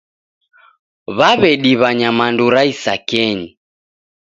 Wawediwa nyamandu ra isakenyi